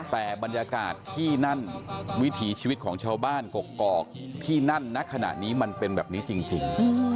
แต่บรรยากาศที่นั่นวิถีชีวิตของชาวบ้านกกอกที่นั่นณขณะนี้มันเป็นแบบนี้จริง